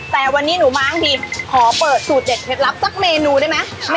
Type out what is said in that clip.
แต่วันนี้หนูมาบางทีขอเปิดสูตรเด็ดเคล็ดลับสักเมนูได้ไหม